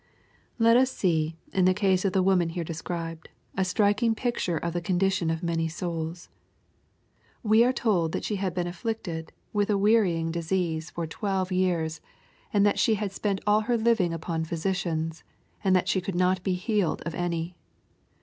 Let us see in the case of the woman here described, a tftriking picture of the condition of many souh. We are told that she had been afflicted with a weaning disease 280 EXPOSITORY THOUGHTS. • for " twelve years/' and that she " had spent all hei living upon physicians/' and that she could not be "healed of any."